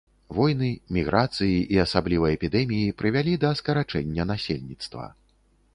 Войны, міграцыі і асабліва эпідэміі прывялі да скарачэння насельніцтва.